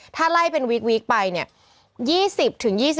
ถ้าไล่เป็นวีคไปเนี่ย